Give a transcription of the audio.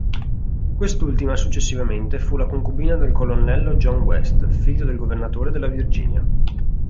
Quest'ultima, successivamente, fu la concubina del colonnello John West, figlio del Governatore della Virginia.